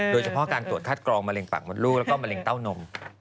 โดยเฉพาะการตรวจคัดกรองมะเร็งปากมดลูกแล้วก็มะเร็งเต้านม